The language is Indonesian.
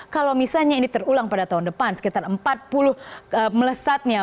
kalau misalnya ini terulang pada tahun depan sekitar empat puluh melesatnya